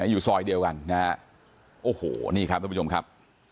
อยู่ซอยเดียวกันนะฮะโอ้โหนี่ครับทุกผู้ชมครับ